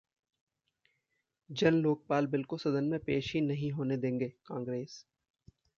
Jan Lokpal bill को सदन में पेश ही नहीं होने देंगे: कांग्रेस